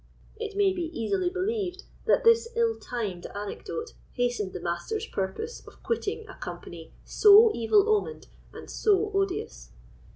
It may be easily believed that this ill timed anecdote hastened the Master's purpose of quitting a company so evil omened and so odious.